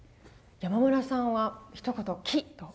山村さんはひと言「気」と。